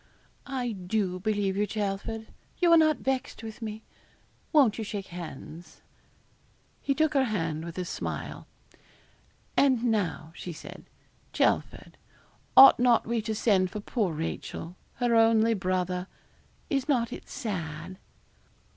'I do believe you, Chelford; you are not vexed with me. Won't you shake hands?' He took her hand with a smile. 'And now,' said she, 'Chelford, ought not we to send for poor Rachel: her only brother? Is not it sad?'